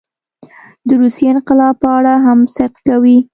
د روسیې انقلاب په اړه هم صدق کوي.